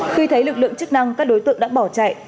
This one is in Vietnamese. khi thấy lực lượng chức năng các đối tượng đã bỏ chạy